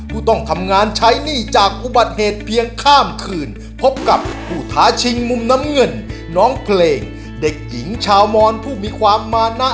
ผู้ต้องทำงานใช้หนี้จากอุบัติเหตุเพียงข้ามคืนพบกับผู้ท้าชิงมุมน้ำเงินน้องเพลงเด็กหญิงชาวมอนผู้มีความมานะ